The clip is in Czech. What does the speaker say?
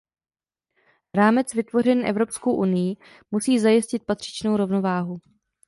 Rámec vytvořený Evropskou unií musí zajistit patřičnou rovnováhu.